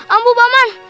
ambu pak mat